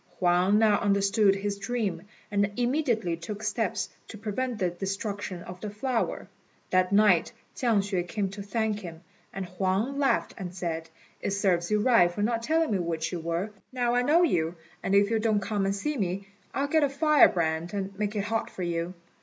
Huang now understood his dream, and immediately took steps to prevent the destruction of the flower. That night Chiang hsüeh came to thank him, and Huang laughed and said, "It serves you right for not telling me which you were. Now I know you, and if you don't come and see me, I'll get a firebrand and make it hot for you."